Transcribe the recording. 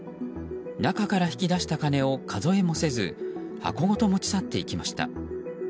中から引き出した金を数えもせず箱ごと持ち去っていきました。